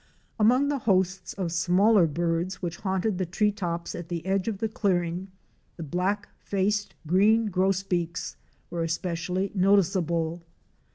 Among the hosts of smaller birds which haunted the tree tops at the edge of the clearing, the Black faced Green Gros beaks were especially noticeable.